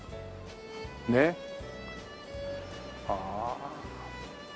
ねっ。はあ。